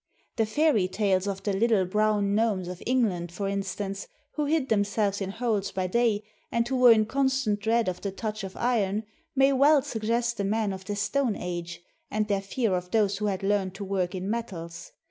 The "fairy tales" of the little brown gnomes of England, for instance, who hid themselves in holes by day and who were in constant dread of the touch of iron, may well suggest the men of the Stone Age and their fear of those who had learned to work in metals.